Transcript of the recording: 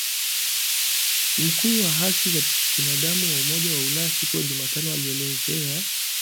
Mkuu wa haki za binadamu wa Umoja wa Ulaya siku ya Jumatano alielezea